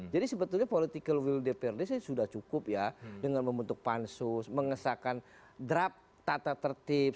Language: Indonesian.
jadi sebetulnya political will dprd sudah cukup ya dengan membentuk pansus mengesahkan draft tata tertib